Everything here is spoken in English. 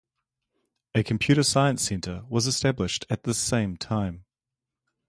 A Computer Science Center was established at this same time.